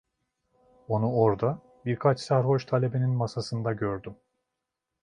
Onu orada, birkaç sarhoş talebenin masasında gördüm.